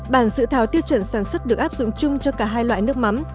bản dự thảo tiêu chuẩn sản xuất được áp dụng chung cho cả hai loại nước mắm